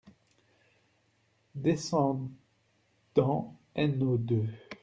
Descendant n o deux.